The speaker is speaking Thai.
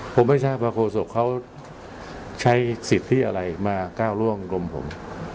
ผมไม่ทราบว่าโฆษกเขาใช้สิทธิอะไรมาก้าวร่วงผม